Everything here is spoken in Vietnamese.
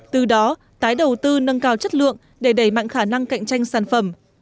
từ đó tái đầu tư nâng cao chất lượng để đẩy mạnh khả năng cạnh tranh sản phẩm